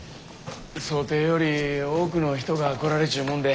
想定より多くの人が来られちゅうもんで。